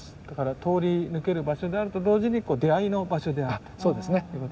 だから通り抜ける場所であると同時に出会いの場所であると。